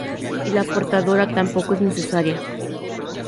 Y la portadora tampoco es necesaria.